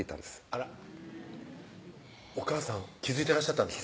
あらっお母さん気付いてらっしゃったんですか